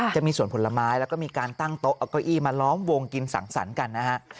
จะมีสวนผลไม้แล้วก็มีการตั้งโต๊ะเอาเก้าอี้มาล้อมวงกินสังสรรค์กันนะฮะ